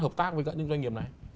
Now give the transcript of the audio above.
hợp tác với các doanh nghiệp này